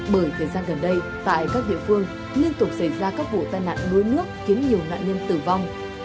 bởi thời gian gần đây tại các địa phương liên tục xảy ra các vụ tai nạn đuối nước khiến nhiều nạn nhân tử vong